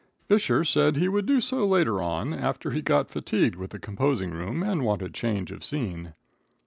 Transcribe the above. Visscher said he would do so later on, after he got fatigued with the composing room and wanted change of scene.